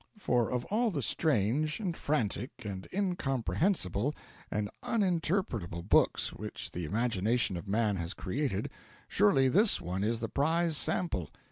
For of all the strange, and frantic, and incomprehensible, and uninterpretable books which the imagination of man has created, surely this one is the prize sample.